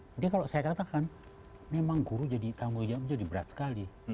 jadi kalau saya katakan memang guru tahun dua ribu tujuh belas jadi berat sekali